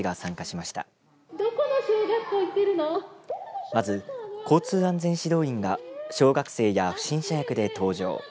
まず交通安全指導員が小学生や不審者役で登場。